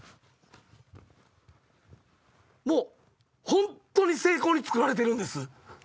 もう本当に精巧に作られてるんです。